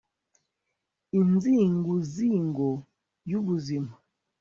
inzinguzingo y'ubuzima